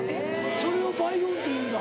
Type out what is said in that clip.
それを倍音っていうんだ。